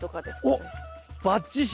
おっバッチシ！